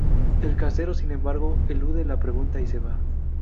El casero, sin embargo, elude la pregunta y se va.